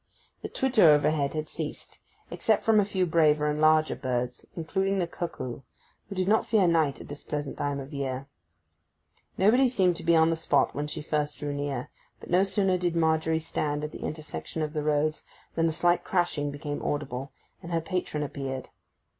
The twitter overhead had ceased, except from a few braver and larger birds, including the cuckoo, who did not fear night at this pleasant time of year. Nobody seemed to be on the spot when she first drew near, but no sooner did Margery stand at the intersection of the roads than a slight crashing became audible, and her patron appeared.